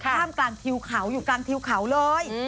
ท่ามกลางทิวเขาอยู่กลางทิวเขาเลย